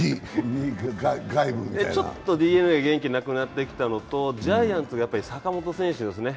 ＤｅＮＡ元気なくなってきたのとジャイアンツが坂本選手ですね